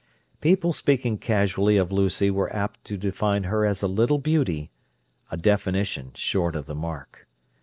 People speaking casually of Lucy were apt to define her as "a little beauty," a definition short of the mark.